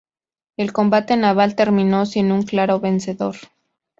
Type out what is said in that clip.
El combate naval terminó sin un claro vencedor.